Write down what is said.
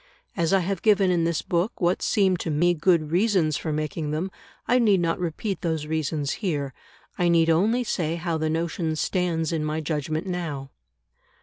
As I have given in this book what seemed to me good reasons for making them, I need not repeat those reasons here; I need only say how the notion stands in my judgment now.